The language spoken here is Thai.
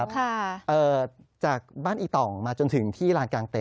เป็นชาวบ้านที่อยู่ที่นั่นค่ะ